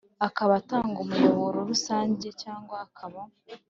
Akaba atanga umuyoboro rusange cyangwa akaba